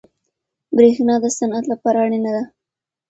برښنا د صنعت لپاره اړینه ده.